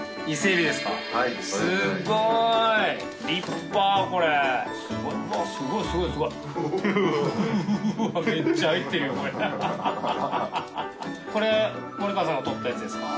海森川さんがとったやつですか？